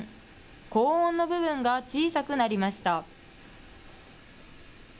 高音の部分が小さくなりました。